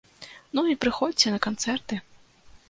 Ну, і прыходзьце на канцэрты!